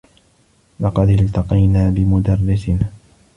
لقد التقينا بمدرّسنا.